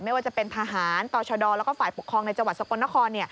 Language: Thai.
ไม่ว่าจะเป็นทหารต่อชดแล้วก็ฝ่ายปกครองในจังหวัดสกลนคร